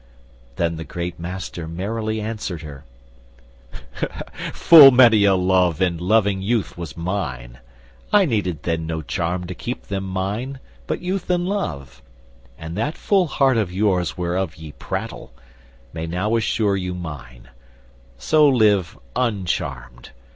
Then the great Master merrily answered her: "Full many a love in loving youth was mine; I needed then no charm to keep them mine But youth and love; and that full heart of yours Whereof ye prattle, may now assure you mine; So live uncharmed.